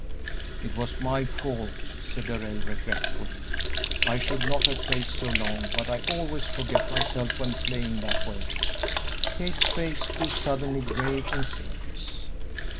"It was my fault," said Darrell, regretfully; "I should not have played so long, but I always forget myself when playing that way." Kate's face grew suddenly grave and serious.